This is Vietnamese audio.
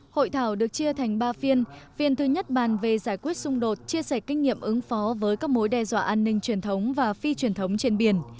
hội thảo được chia thành ba phiên phiên thứ nhất bàn về giải quyết xung đột chia sẻ kinh nghiệm ứng phó với các mối đe dọa an ninh truyền thống và phi truyền thống trên biển